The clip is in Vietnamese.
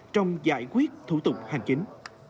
trong giải quyết thủ tục hành chính